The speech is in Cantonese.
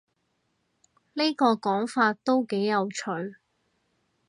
呢個講法都幾有趣